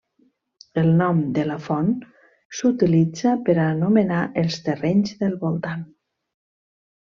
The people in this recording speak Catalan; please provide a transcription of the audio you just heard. El nom de la font s'utilitza per a anomenar els terrenys del voltant.